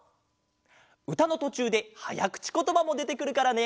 うたのとちゅうではやくちことばもでてくるからね。